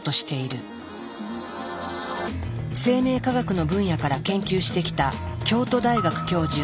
生命科学の分野から研究してきた京都大学教授